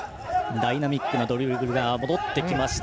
ダイナミックなドリブルが戻ってきました